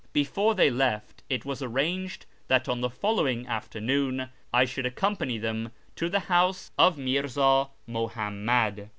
Before they left it was arranged that on the following afternoon I should accompany them to the house of Mirza Muhammad.